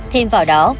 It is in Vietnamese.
thêm vào đó